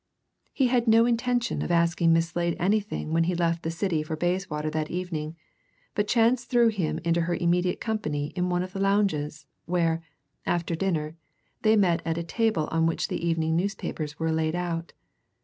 He had no intention of asking Miss Slade anything when he left the City for Bayswater that evening, but chance threw him into her immediate company in one of the lounges, where, after dinner, they met at a table on which the evening newspapers were laid out.